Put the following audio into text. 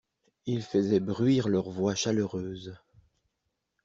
Ils faisaient bruire leurs voix chaleureuses.